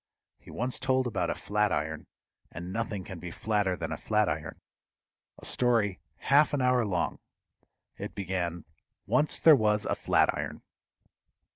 He once told about a flat iron and nothing can be flatter than a flat iron a story half an hour long. It began, "Once there was a flat iron."